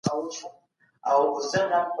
حاکمان د مغولو له زواله ښه خبر وو.